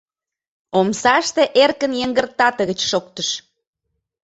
Омсаште эркын йыҥгыртатыгыч шоктыш.